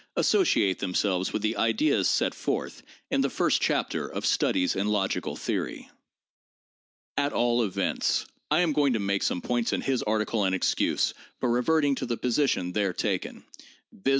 II., No. 21, p. 573. PSYCHOLOGY AND SCIENTIFIC METHODS 653 ciate themselves with the ideas set forth in the first chapter of 'Studies in Logical Theory.' At all events, I am going to make some points in his article an excuse for reverting to the position there taken, viz.